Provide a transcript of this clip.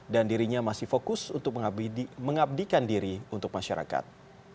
dan dirinya masih fokus untuk mengabdikan diri untuk masyarakat